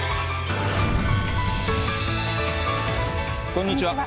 こんにちは。